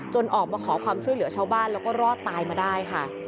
ออกมาขอความช่วยเหลือชาวบ้านแล้วก็รอดตายมาได้ค่ะ